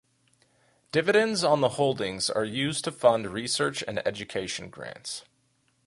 Dividends on the holdings are used to fund research and education grants.